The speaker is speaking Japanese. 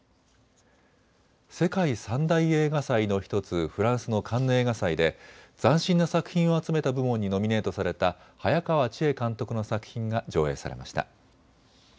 世界３大映画祭の１つフランスのカンヌ映画祭で斬新な作品を集めた部門にノミネートされた早川千絵監督の作品が上映されました。